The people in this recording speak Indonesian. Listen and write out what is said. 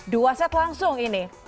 dua set langsung ini